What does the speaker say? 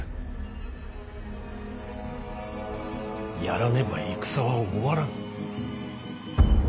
やらねば戦は終わらぬ。